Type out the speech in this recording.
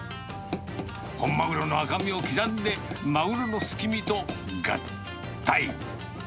本マグロの赤身を刻んでマグロのすき身と合体。